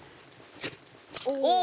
「おお」